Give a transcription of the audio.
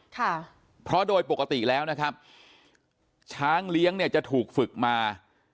ค่ะเพราะโดยปกติแล้วนะครับช้างเลี้ยงเนี่ยจะถูกฝึกมา